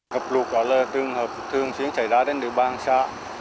ngập lụt là tương hợp thương chiến chảy đá đến địa bàn xã